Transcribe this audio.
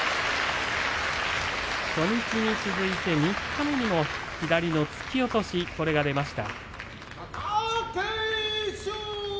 初日に続いてきょうも左から突き落としが出ました。